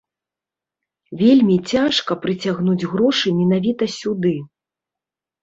Вельмі цяжка прыцягнуць грошы менавіта сюды.